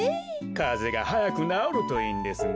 かぜがはやくなおるといいんですが。